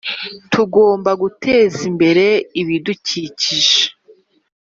Tugomba guteza imbere ibidukikije i